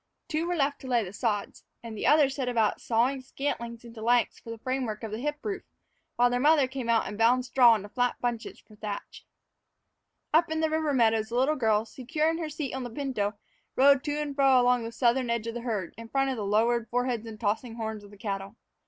Two were left to lay the sods, and the other set about sawing scantlings into lengths for the framework of the hip roof, while their mother came out and bound straw into flat bunches for the thatch. Up in the river meadows, the little girl, secure in her seat on the pinto, rode to and fro along the southern edge of the herd, in front of the lowered foreheads and tossing horns of the cattle.